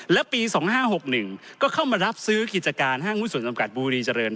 และปี๒๕๖๑ก็เข้ามารับซื้อกิจการห้างหุ้นส่วนจำกัดบุรีเจริญ